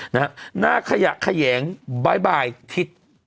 หน้าขยังบายทิศ